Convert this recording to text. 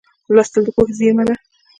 لوستل د پوهې زېرمه ده.